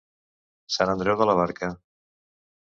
Sant Andreu de la Barca.